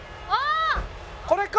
これか！